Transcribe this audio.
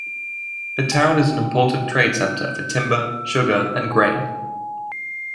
The town is an important trade center for timber, sugar and grain.